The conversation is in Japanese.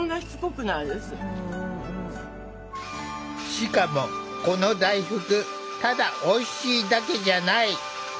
しかもこの大福ただおいしいだけじゃない！